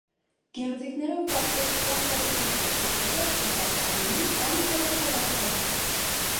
Գեղձիկներով պատված ծաղկապտի թերթիկները սպիտակավուն են կամ կանաչավարդագույն։